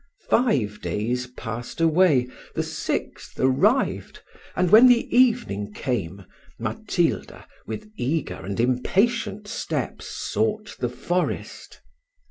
Five days passed away, the sixth arrived, and, when the evening came, Matilda, with eager and impatient steps, sought the forest.